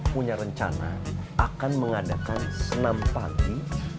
punya rencana akan mengadakan senam pagi